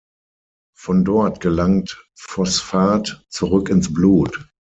Von dort gelangt Phosphat zurück ins Blut.